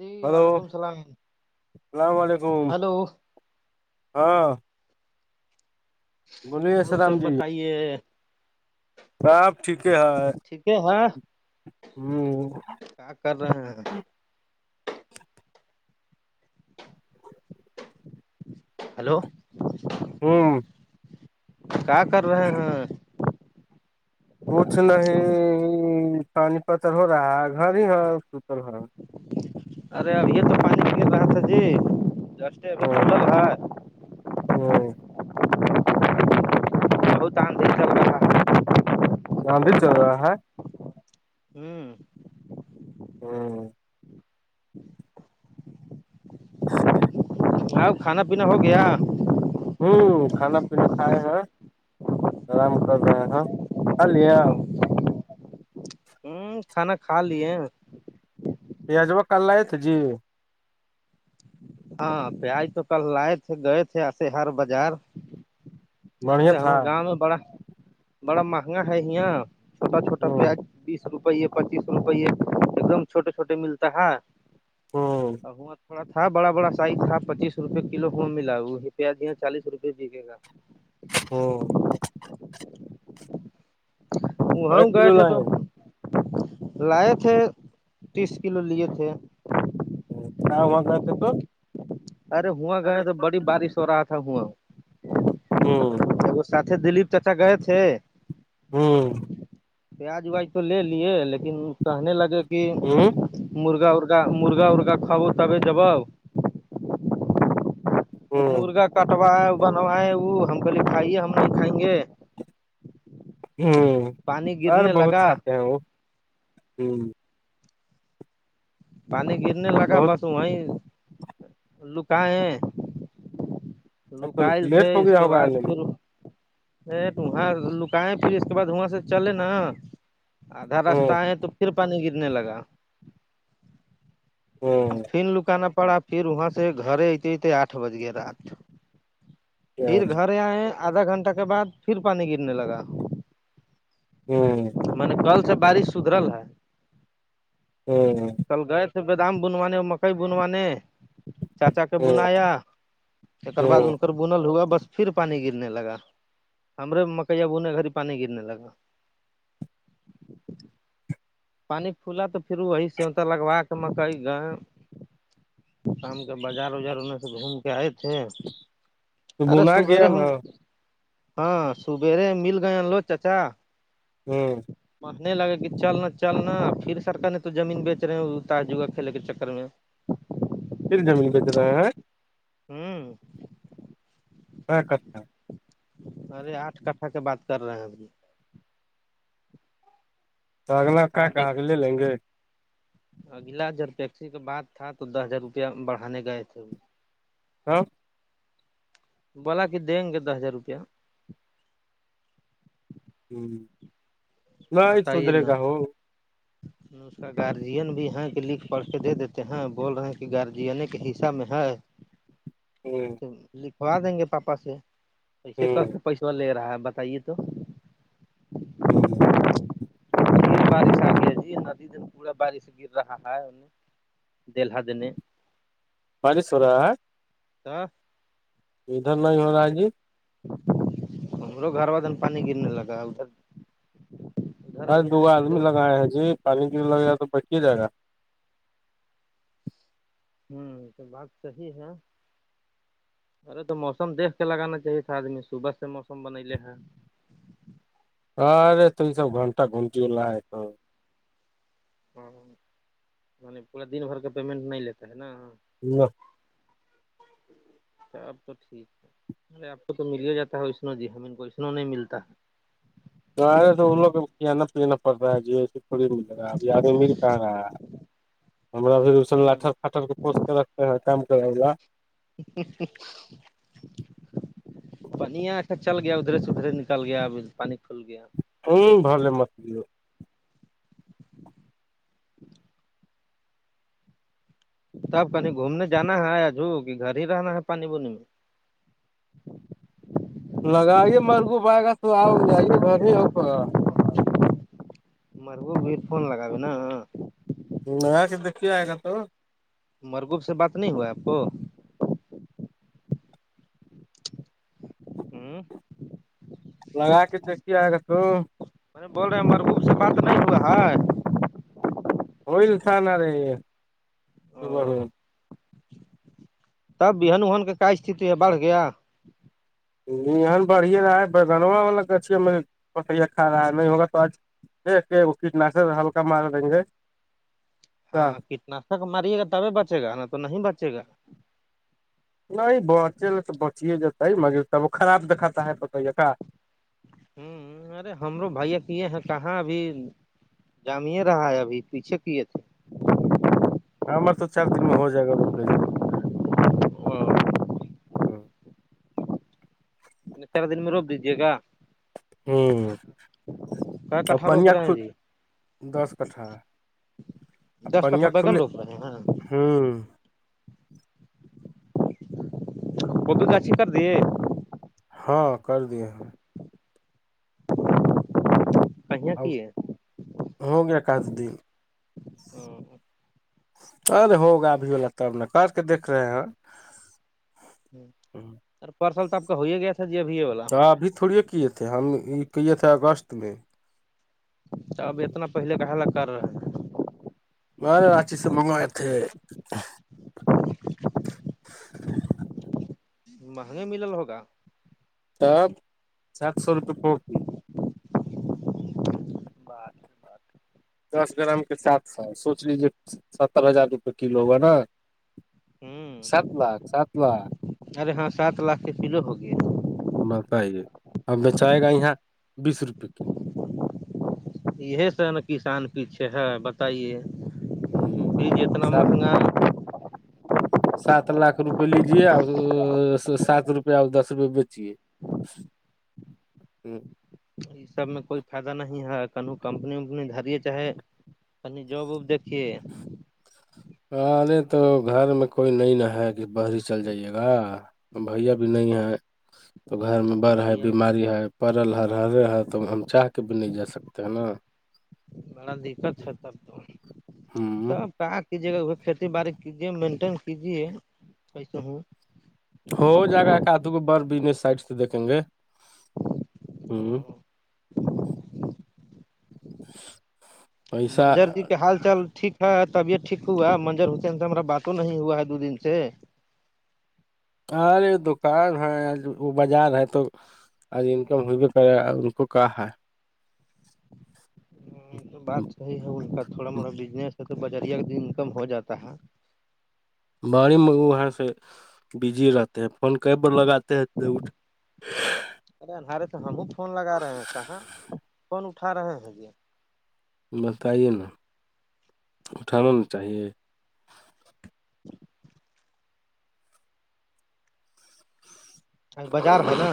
نی ہلو وعلیکم اللام اللام علیکم ہلو ہاں بولیے آ سب السلام بتائیے سپ ٹھیک ہے ہ ٹھیک ہے ہاں کیا کر رہے ہیں ہیلو ہوں کیا کر رہے ہیں کچھ نہیں پانی پتر ہو رہا ہے گھر ہی ہے سر ہاں ارے اب یہ تو پانچ م لگا تھا جی ج ہ ہ [unintelligible] [unintelligible] یہاں بھی چل رہا ہاں ہوں ہاں [unintelligible] کھانا پینا ہو گیا ہوں کھانا پینا کھائے ہیں آرام کر رہے ہیں کھالیے آپ ہ کھانا کھا لیے پیا جبا کل ل آئے تھ جی ہاں پیاج تو کل لائے تھے گئے تھے ایسے ہر بازار بڑھیا ارے تھا ہمار گاؤں میں بڑا بڑا مہنگا ہے یہاں چھوٹا چھوٹا ہ پیاج بیس روپے پچیس روپے ایک دم چھوٹے چھوٹے ملتا ہے ہ ا وہ [unintelligible] ڑا تھا بڑا بڑا سائز تھا پچیس روپے کلو کو ملا وہ یہ پیاز یہاں چالیس روپئے بیکے گا ہم [unintelligible] کئی گئے کلو تھے تو لائے [unintelligible] لائے تھے تیس کلو لیے تھے کیا ہوگ آتے تو [unintelligible] ارے ہواں ہ گئے تو بڑی بارش ہو رہا تھا ہواں ہوں وہ ساتھے دلیپ چچا گئے تھے ہوں پیاز ویاج تو لے لیے لیکن کہنے لگے کہ ہوں مرغا ارگا مرغا ارغا [unintelligible] ہ مرغا کٹوائے بنوائے وہ ہم کہے بھائی ہم نہیں کھائیں گے ہوں پانی اور گرنے بہت لگا کھاتے ہیں وہ پانی گرنے لگا بہت بس وہیں لکئے ہیں اب تو لوکائل تھے لیٹ ہو اس گیا کے ہوگا بعد آنے میں پھر [unintelligible] تو وہاں لکائے پھر اس کے بعد وہاں سے چلے نا آدھا ہ رستہ آئے تو پھر پانی گرنے لگا ہ پھر لکانا پڑا پھر وہاں سے گھر اتے اتے آٹھ بج گئے رات ہ پھر گھر آئے آدھا گھنٹہ کے بعد پھر پانی گرنے لگا منے کل سے بارش سدھرل ہے [unintelligible] ہوں چل گئے تھے بادام بنوانے اور مکئی بنوانے چاچا کو ہ بنایا ہ [unintelligible] بنل ہوا بس پھر پانی گرنے لگا ہمرے مکیا بنے گھر ہی پانی گرنے لگا پانی پھلا تو پھر وہی سےتا لگوا کے مکئی گہم شام کے بازار وزار ان میں سے گھوم کے آئے تھے تو ارے بنا سبیرے گیا ہم نا ہاں سبیرے مل گئے ہیں لو چچا ہوں منے لگے کہ چلنا [unintelligible] چلنا پھر سرار نے تو زمین بیچ رہے ہیں تجگا کھیے کے چکر میں [unintelligible] ہوں [unintelligible] ارے آٹھ کٹھا کے بات کر رہے ہیں ابھی تو اگنا کا کہاں کہ کے دیکھو لے لیں گے [unintelligible] اگلا جر ٹیکسی کا بات تھا تو دس ہزار روپیہ بڑھانے گئے تھے وہ ہاں بولا کہ دیں گے دس ہزار روپیہ ہوں [inaudible] بتائیے نا اس کا گارجین بھی ہے کہ لکھ پڑھ کے دے دیتے ہیں بول رہے ہیں کہ گارجنے کے حصہ میں ہے ہوں تو لکھوا دیں گے پاپا سے ایسے ہ کرس پیسو لے رہا ہے بتائیے تو ہوں پھر بارش آ گئی ہے جی ندی دن پورا بارش گر رہا ہے ان دلہ دن [unintelligible] دینے بارش ہورہا ہے [inaudible] ادھر نہیں ہو رہا ہے جی ہم لو گھر والدن پانی گرنے لگا ہے ادھر ادھر بائی ابھی دو نہیں آپ آدمی لوگ لگائے ہیں جی پانی کی لگے گا تو [inaudible] جائے گا ہوں تو بات صحیح ہے ارے تو موسم دیکھ کے لگانا چاہیے تھا آدمی صبح سے موسم بنلے ہے [inaudible] ہاں پورا دن بھر کا پیمنٹ نہیں لیتا ہے نا نہ اب تو ٹھیک ہے ارے آپ کو تو مل ہی جاتا ہے ونو جی ہین کو وسنو نہیں ملتا ہے تو آارے تو ان لووں کو کانا پیینا پڑ رہا ہے جی ای تھڑی ملے گا اب آدھی مل کہا رہا ہے ہمارا پھر اس ہے لٹر ہ فٹر کے پوس کے رکھتے ہیں کام کرے گا [inaudible] پنیا اھا چل گیا ادھرے سے ادھرے نکل گیا ابھی پانی کھل گیا [inaudible] تب کہیں گھومنے جانا ہے یاجھ کہ گھر ہی رہنا ہے پانی بونی میں لگائیے مرگوب بھائ گا تو آؤ جئیے گھر ہی آ کر مرگو کو ایئر فون لگاے نا میں کہ دیکے آئے گا تو مرگوب سے بات نہیں ہوا آپ کو ہوں لگا کے دیکھی آ گا تو ارے بول رہے ہیں مربوب سے بات نہیں ہوا ہے او [inaudible] تب بہن وہن کا کیا استتھی ہے بڑھ گیا [inaudible] ایک کہ وہ کیٹناشک ہلکا مارے رہیں گے کیا [inaudible] [inaudible] ہوں ارے ہمرو بھائییا کی ہیں کہاں بھی جامے رہا ہے ابھی پیچھے کیے تھے ہاں ہمار تو چار دن میں ہو جائے [inaudible] روکنے ہ چار دن میں روک دیجیے گا ہم کا کٹھا روپ رہے ہیں جی [inaudible] دس کٹھا بگن روپ رہے ہیں ہیں ہاں بدو چاچی کر دی ہے ہاں کر دیے ہیں کہیاں اب کی ہے ہو گیا کاف دن ارے ہوگا ابھی والا تب کر کے دیک رہے ہیں سر پارسل تو آپ کا ہو ہی گیا تھا جی ابھیے والا تو ابھی تھوڑی یہ کیے تھے ہم یہ کیے تھے اگست میں تو اب اتنا پہلے کہ ل کر رہا بارے راچی سے منگوائے تھے [unintelligible] مہنگا ملا ہوگا تب سات سو روپے کافی بار دس گرام کے ساتھ سوچ لی ستر ہزار روپئے کلو ہوا نا ہوں سات لاکھ سات لاکھ ارے ہاں سات لاکھ کے کلو ہو گیا بتائیے اب بچائے گا یہاں بیس روپے کلو یہ س نا کسان پیچھے ہے بتائیے ہوں بیج اتنا سات مہنگا سات لاکھ روپئے لیجیے اور سات روپے اور دس روپے بیچیے تو یہ سب میں کوئی فائدہ نہیں ہے کن کمپنی ومپنی گھر چاہے اپنی جاب وب دیکھیے ارے تو گھر میں کوئی نہیں ن ہے کہ باہری چل جائیے گا بھیا بھی نہیں ہیں تو گھر میں تو بڑ ہے بھیا بیماری ہے پڑل ہے ہرے ہے تو ہم چاہ کے بھی نہیں جا سکتے ہیں نا بڑا دقت ہے تب تو س ہ پ کیجیے کھیتی باڑی کیجے مینٹین کیجیےسے ہوں ہو جائے گا کادگ بر بج نے سائڈ سے دیکھیں گے ہوں منجر جی کے حال چال ٹھیک ہ طبیعت ٹھیک ہوا ہے منجر ہوس ان سے ہما باتوں نہیں ہوا ہے دو دن سے ارے دکان ہے وہ بازار ہے تو آج انکم ہو بھی پا ان کو کہاں ہے نہیں تو بات صحیح ہے ان کا تھوڑا موٹا بزنس ہے تو بجریا کا دن انکم ہو جاتا ہے بڑی میں وہاں سے بزی رہتے ہیں فون کئی بار لگاتے ہیں ارے تو ہمو فون لگا رہے ہیں کہاں فون اٹھا رہے ہیں جی بتائیے نا اٹھانا نا چاہیے [unintelligible] اب بازار ہے نا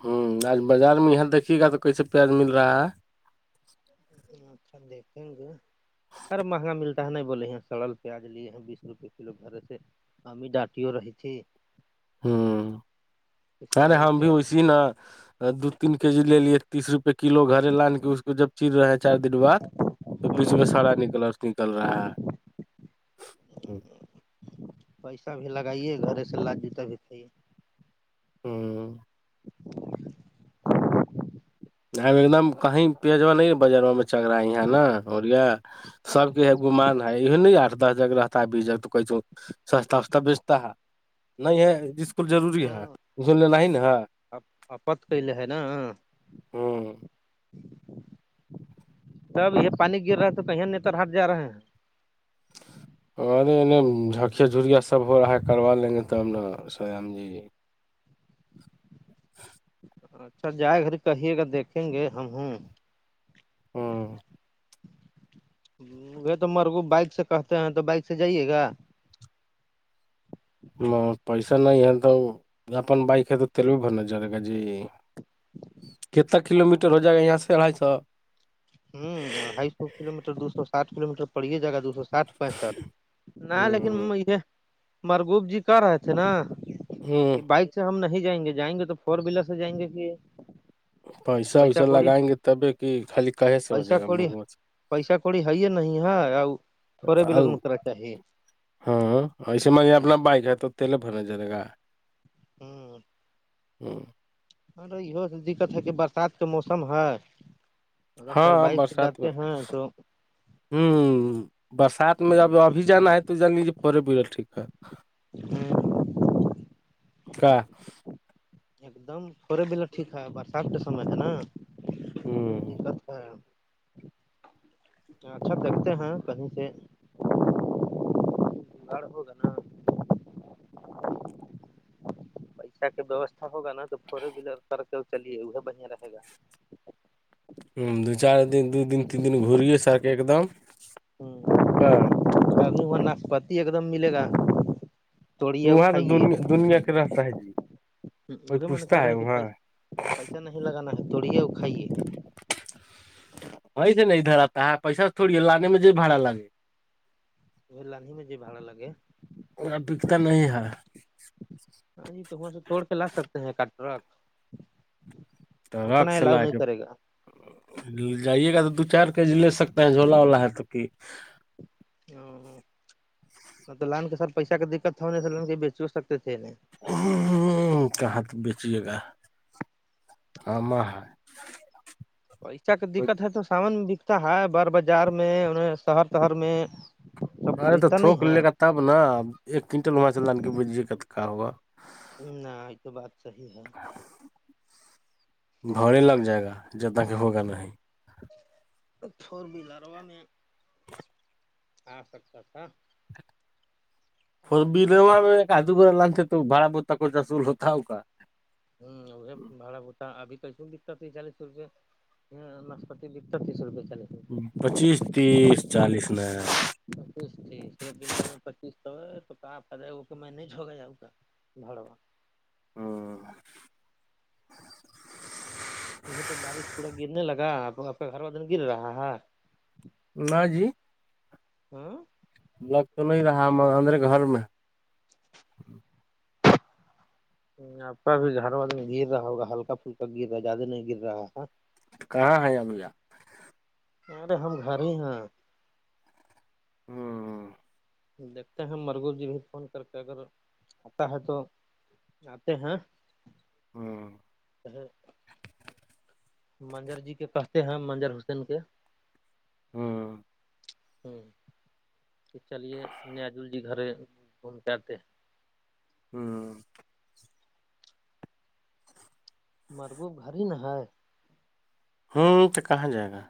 ہوں آج بازار میں یہاں دیکھیے گا تو کیسے پیاز مل رہا ہے اچھا دیکھیں گ سر مہنگا ملتا کیا نہیں بولے ہیں سڑل پیاز لیے ہیں بیس روپے کلو گھر سے ہمیں ڈاٹیو رہیچے ہوں ارے سرل ہم بھی پیاج اسی ن دو تین کے جی لے تیس روپے کلو گھرے لان کے اس کو جب چر رہے ہیں چار دن بع تو بیچ میں سارا نکل نکل رہا ہے پیسہ بھی لگائیے گھرے سے لا جتا بھی تھی ہوں ایک دم کہیں پیا نہیں بر چگ رہا یہ نا ا سب کے گمان ہے یہ ن آٹھ دس جگ رہتا ہے بیس جگ تو کہ سستا وستا بیچتا ہے نہیں ہے اسکول ضوری ہے اسول ل ہی ن ہے آت کے لیے ہے نا ہوں تب یہ پانی گر رہا ہے تو کہ یہ نیتر ہاٹ جا رہے ہیں اور ارے جھکیا جھریا سب ہو رہا ہے کروا لیں گے ت ہم نا سام جی [unintelligible] اچھا جائے گھر کہیے گا دیکھیں گے ہم ہوں ہوں وہ تو مرگو بائک سے کہتے ہیں تو بائک سے جائیے گا م پیسہ نہیں ہے تو اپن بائک ہے تو تل بھی بھرنا چ رہ گ جی کتنا کلو میٹر ہو جائے گا یہاں سے اڑھائی سو ہوں اڑھائی سو کلو میٹر دو سو سٹھ کلو میٹر پڑیے جگہ دو سو ساٹ پسٹ نہیں لیکن ہ یہ مرگوب جی کر رہے تھے نا ہوں کہ بائک سے ہم نہیں جائیں گے جائیں گے تو فور ویلر سے جائیں گے کہ پیسہ ویسا لگائیں گے تبھی کی خالی کہے سے ہو پیسہ جائے گا کوڑی منہ سے پیسا کوڑی ہے ہے نہیں ہے تھورے ویلر او۔ کرا چاہیے ہاں ایسے میں اپنا بائک ہے تو تیلے بھرنا جائےے گا ہوں ہوں ہمے یہ دقت ہے کہ برسات کے موسم ہے اگر سر ہاں بائک سے برسات میں جاتے ہیں تو ہوں برسات میں جب ابھی جانا ہے تو جان لیجیے پے ب ٹھیک ہے ہوں کا ایک دم تھوڑے بلاو ٹھیک ہے برسات کے سمے ہے نا ہوں ک ہے اچھا دیکھتے ہیں کہیں سے بن گڑ ہو گان [unintelligible] پیسہ کا ویوستھا ہوگا نا تو فور ویلر کر کے چلیے وہ بڑھیا رہے گا ہوں دو چار دن دو دن تین دن گوریے س کے ایک دم ہاں وں ناک پتی ایک دم ملے گا توڑیے اور وہاں تو دیا کھائیے دنیا کے رہستا ہے جی وہ کوئی بھی من پوچھتا کر رہے ہے ہیں کہ وہاں پیسہ نہیں لگانا ہے توڑیے اور کھائیے وہی سے نہیں دھراتا ہے پیسہ تھوڑی لانے میں جو بھاڑا لگے وہ لاندی میں ج بھاڑا لگے ا دکتا نہیں ہے ہاں جی تو وہاں سے توڑ کے لا سکتے ہیں کا ٹرک تو رق اتنا ہی سے لابھ لا نہیں کے کرے گا جائیے گا تو دو چار کے جی لے سکتے ہیں جھولا وولا ہے تو کہ ہ تو لان کے سر پیسہ کا دقت تھا نہیں لان کے بیچ سکتے تھے ہ کہ ت بیچیے گا ہ پیسہ کی دقت ہے تو سامان بکتا ہے بار بازار میں ان شہر تہر میں سب ارے تو خریدتا نہیں تھوک ہے لے گ تب ن ایک کئنٹل وہاں سے لان کے بج کتکا ہوگا نہ یہ تو بات صحیح ہے بڑے لگ جائے گا جدنا کہ ہوگا نہیں فور ولرو میں آ سکتا تھا [unintelligible] اور بھیوا میں کاجو گ لانتے تو بھڑا بتا کواصول ہوتا ہے ہو کا ہ وہ بھڑا ہوتا ہے ابھی کیسو بکتا ت چالیس سو روپے ہاں نشپتی بیت تس روپئے چلے پچیس تیس چالیس پچیس تیسٹل میں پچیس تو ہے تو کہ ہے وہ کہ میں نہیں جھوکا جاؤں گا دڑواد او یہ تو بارش پورا گرنے لگا کا گھر وال دن گر رہا ہے نہ جی ہوں لگ تو نہیں رہا م اندرے گھر میں آ کا بھی ہر بد میں گر رہا ہوگا ہلکا پھلکا گر رہا ہے زیادہ نہیں گر رہا ہے کہاں ہے امویا ارے ہم گھر ہی ہیں ہوں ہاں دیکھتے ہیں مرگو جی بھی فون کر کے اگر آتا ہے تو آتے ہیں ہوں منجر جی کے پستے ہیں منجر حسین کے ہاں تو چلیے نجل جی گھر فون کرتے ہوں مرگوب گڑ ہی نا ہے ہوں تو کہاں جائے گا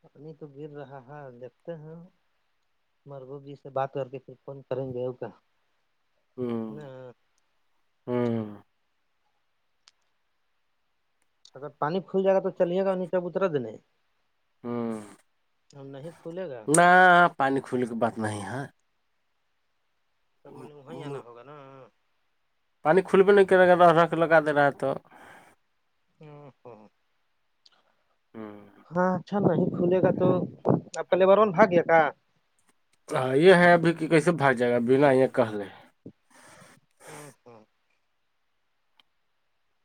پانی تو گر رہا ہے دیکھتے ہیں مربوب جی سے بات کر کے پھر فون کریں گے او کا ہوں نہ ہوں اگر پانی پھل گا تو چلے گا نیچا اترا دینے ہوں ہم نہیں کھلے گا پانی کھلے کے بات نہیں ہے تب میں نے وہیں آنا ہوگا نا پانی کھلبے نہیں کر رہے اگر ر ر کے لگا د رہا تو ہاں اچھا نہیں کھلے گا توپ پہلے بارن باگیا کا ہاں یہ ہے ابھی کہ کیسے باگ جائے گا بنا یہ کہہ لے ہاں ہاں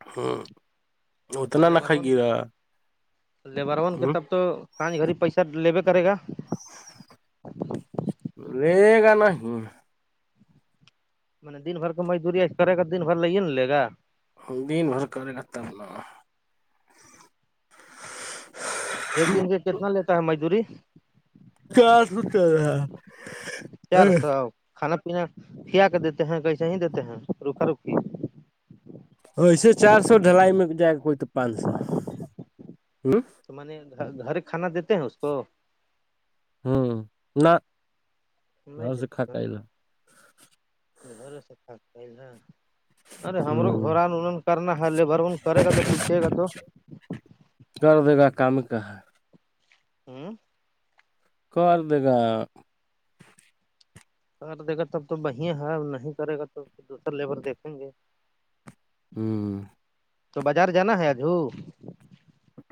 لے تب تو اتنا نہ لیبر وون کھائیے کے گا لیبر وون کے ہ تب تو گڑی پیسہ لیوے کرے گا لے گان کہ منے دن بھر کو مزدوری ای کرے گا دن بھر لے ہیا لے گا دن بھر کرے کرتا ہے ایک دن کے کتنا لیتا ہے مزدوری کیا ستے چار سو آ کھانا پینا کھیا کے دیتے ہیں کہسے ہی دیتے ہیں روکھا روکی ایسے چار سو ڈھلائی میں جائے کوئی تو پانچ سو تو میں نے گھر کھانا دیتے ہیں اس کو ہوں نہ سم گھر سے دیتے کھا کے لا گھر سےفف ارے ہمرو ہ گوران انہوں نے کرنا ہے لیبر ون کرے گا تو پوچھے گا تو کر دے گا کام کہ ہے ہوں کار کاہ کر دے گا تب تو وہیا ہے نہیں کرے گا تو دوسر لیبر دیکھیں گے- ہاں- تو بازار جانا ہے آج ہ-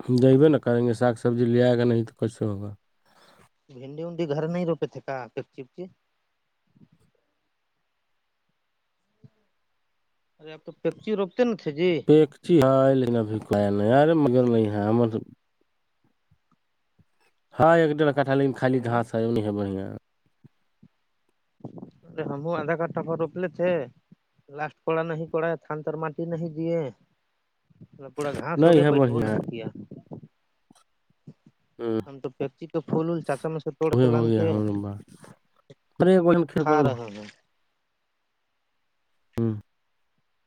ہم دبے نا کریں گے سا سبزی لے آئے گا نہیں تو کچھ ہوگا- بھنڈی ہنڈی گھر نہیں روپے تھے کا پک چکی- ارے آب تو پیکچی روپتے نا تھے جی- ایک چیز لیکن ابھی کھیا نہیں ارے مگر نہیں ہے ہم ہاں ایک کاٹھا لیکن خالی گاس ارے ہے انہیں ہے بڑھیاں ارے ہم آدھا گھٹ پر روک لیے تھے لاسٹ کوڑا نہیں پڑا ہے تھان تر مٹی نہیں دیے مب پورا گھاس ہو کے نہیں ہے بیٹھو بڑھیا نہیں کیا ہ ہم تو پچی تو فولل چاچا میں سے توڑ کے لان کے پ کوئی کھیل کھا کر- رہے ہیں ہ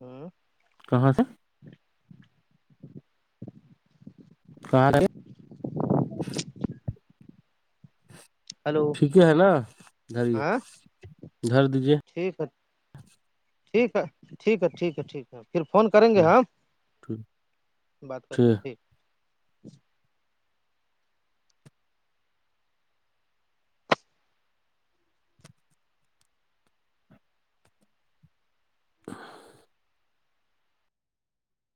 ہوں کہاں تھا سار ہلو ٹھیک ہے نا دھر ہاں دھر دیجیے- ٹھیک ہے ٹھیک ہے ٹھیک ہے ٹھیک ہے ٹھیک ہے- ہاں پھر فون کریں گے ٹھیک ہاں ٹھیک بات کر کے ٹھیک- [unintelligible]